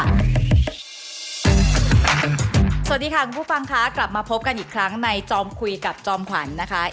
สวัสดีค่ะคุณผู้ฟังค่ะกลับมาพบกันอีกครั้งในจอมคุยกับจอมขวัญนะคะ